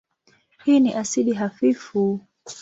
Hii ni asidi hafifu.